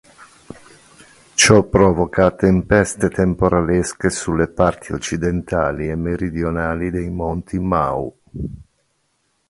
Ciò provoca tempeste temporalesche sulle parti occidentali e meridionali dei monti Mau.